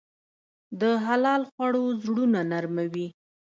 د حلال خوړو زړونه نرموي.